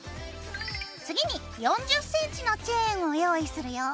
次に４０ｃｍのチェーンを用意するよ。